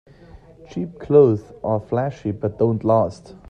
Cheap clothes are flashy but don't last.